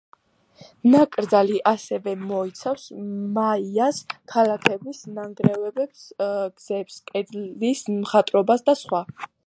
ნაკრძალი ასევე მოიცავს მაიას ქალაქების ნანგრევებს, გზებს, კედლის მხატვრობას და სხვა.